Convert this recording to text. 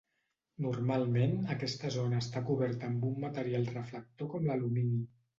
Normalment, aquesta zona està coberta amb un material reflector com l'alumini.